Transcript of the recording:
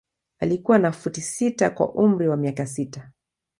Alikuwa na futi sita kwa umri wa miaka sita.